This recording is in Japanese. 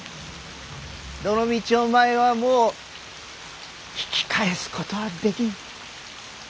どのみちお前はもう引き返すことはできん。